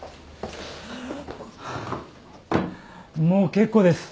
もう結構です。